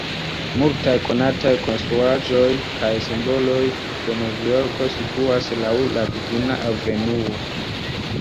Multaj konataj konstruaĵoj kaj simboloj de Novjorko situas laŭ la Kvina Avenuo.